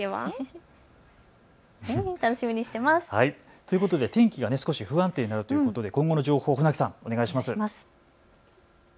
楽しみにしていますということで天気が少し不安定になるということで今後の情報、船木さん、お願いします。